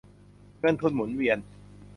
เงินทุนหมุนเวียน